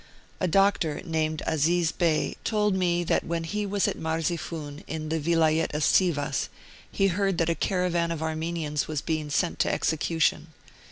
A doctor, named Aziz Bey, told me that when he was at Marzifun, in the Vilayet of Sivas, he heard that a caravan of Armenians was being sent to execution.